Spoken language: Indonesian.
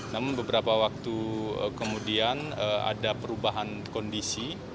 namun beberapa waktu kemudian ada perubahan kondisi